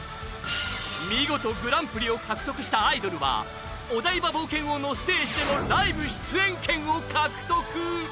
見事グランプリを獲得したアイドルはお台場冒険王のステージでのライブ出演権を獲得。